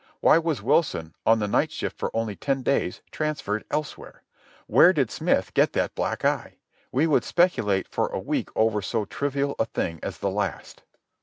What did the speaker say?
Why was Wilson, on the night shift for only ten days, transferred elsewhere? Where did Smith get that black eye? We would speculate for a week over so trivial a thing as the last.